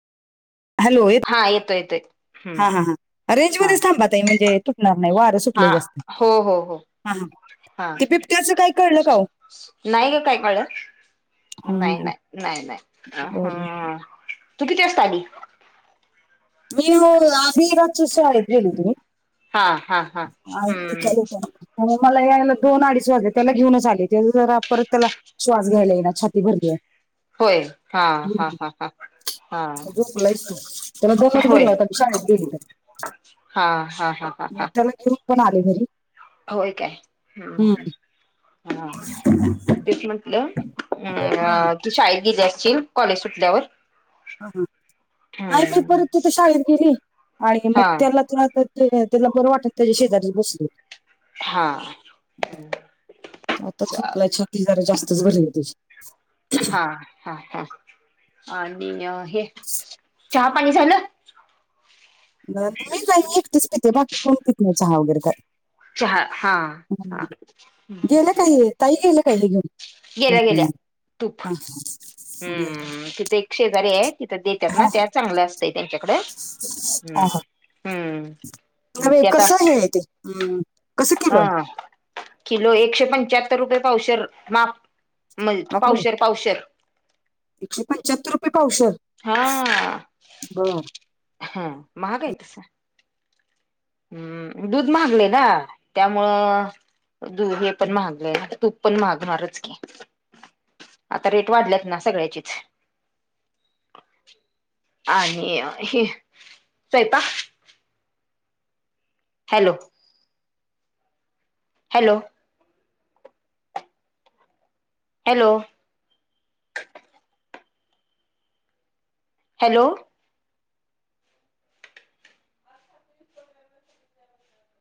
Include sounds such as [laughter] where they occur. Hello येत? हा येतोय येतोय हम्म हां हां हं रेंज हा मधेच ताई, म्हणजे तुटणार नाही, वार सु टलय हा जास्त, हो हो हो हां हा ते बिबट्याच काय कळ नाही ग काय, कळल. हा, नाही हा, नाही नाही नाही, बरं. हम तू किती वाजता आली? [unintelligible] हां हां हां हम्म. निकाल होता मला यायला दोन अडीच वाजले, त्याला घेऊनच आले, तेच जरा परत त्याला श्वास घ्यायला येईना, छाती भरली ये. होय, हां हां हां. झोपलाय तो, [unintelligible] त्याला झोपायच भरलं, शाळेत गेली तर हां हां हा. हा त्याला घेऊन पण आले घरी. होय काय, ह्म हा, ह्म. तेच म्हटलं ह्म अ तू शाळेत गेली असशील, कॉलेज सुटल्यावर. हं हं नाही मी हम्म परत तिथ शाळेत गेली आणि हा मग त्याला त [unintelligible] ते त्यांला बरं वाटेल, त्याच्या शेजारी बसले. हा. आताच चाल झोपला, छाती जरा जास्तच भरली त्याची. हां हां हं हं आणि हे चहा पाणी झालं? मी च आणि एकटीच पिते, बाकी कोनी पित नाही चहा वगैरे तर. चहा, हां ह. गेलं काय हे ताई गेल्या काय हे घेऊन गेल्या गेल्या तूप हा, हम्म तिथ एक शेजारी आहेत. तिथं देत्यात ना त्या चांगल्या असतय त्यांच्याकड मग नाय ते आता कस हाय ते हम्म कसं किलो हाय. हा किलो एकशे पंचाहत्तर रुपये पावशर माप म अगं बाई पावशर पावशर एकशे पंच्याहत्तर रुपये पावशर. हा बर हा महाग आहे तस हम्म दूध महागलय ना त्यामुळं दूध हे पण महागलंय ना तूप पण महागणारच की आता रेट वाढल्यात ना सगळ्याचेच आणि हे स्वयंपाक हॅलो हॅलो हॅलो हॅलो